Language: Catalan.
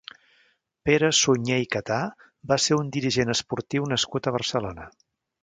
Pere Suñé i Catà va ser un dirigent esportiu nascut a Barcelona.